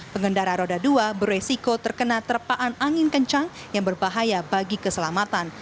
pengendara roda dua beresiko terkena terpaan angin kencang yang berbahaya bagi keselamatan